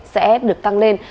sẽ được tăng lên